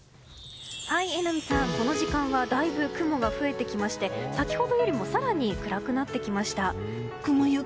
榎並さん、この時間はだいぶ雲が増えてきまして先ほどよりも更に暗くなってきました。